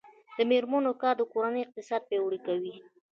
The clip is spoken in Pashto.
د میرمنو کار د کورنۍ اقتصاد پیاوړی کوي.